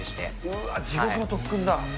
うわ、地獄の特訓だ。